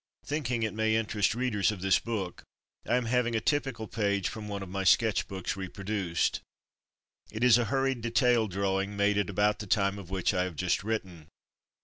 Thinking it may interest readers of this book, I am having a typical page from one of my sketch books reproduced. It is a hur 175 176 From Mud to Mufti ried detail drawing made at about the time of which I have just written.